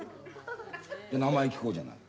名前聞こうじゃない。